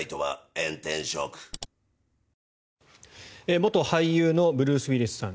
元俳優のブルース・ウィリスさん